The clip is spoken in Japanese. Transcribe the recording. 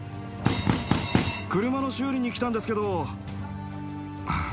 車の修理に来たんですけど。